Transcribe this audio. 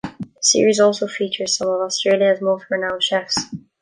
The series also features some of Australia's most renowned chefs.